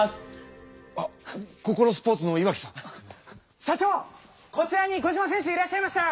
社長こちらにコジマ選手いらっしゃいましたよ！